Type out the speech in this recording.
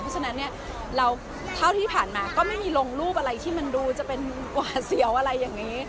เพราะฉะนั้นเนี่ยเราเท่าที่ผ่านมาก็ไม่มีลงรูปอะไรที่มันดูจะเป็นหวาดเสียวอะไรอย่างนี้